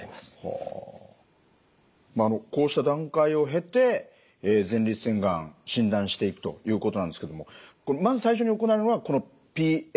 こうした段階を経て前立腺がん診断していくということなんですけどもまず最初に行われるのはこのＰＳＡ検査ですね。